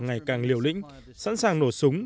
ngày càng liều lĩnh sẵn sàng nổ súng